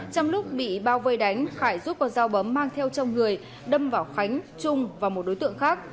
trong lúc bị bao vây đánh khải giúp con dao bấm mang theo trong người đâm vào khánh trung và một đối tượng khác